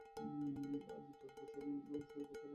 আজ দশ বৎসর সংসারযাত্রায় আমার পরীক্ষা হল, তারই এই পরিণাম?